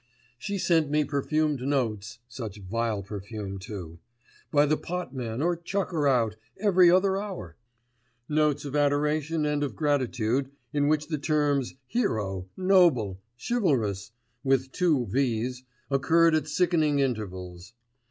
"She sent me perfumed notes (such vile perfume too) by the potman or chucker out every other hour. Notes of adoration and of gratitude, in which the terms 'hero,' 'noble,' 'chivalrous,' with two v's, occurred at sickening intervals.